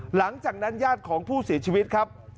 หลังจากนั้นญาติของผู้เสียชีวิตครับ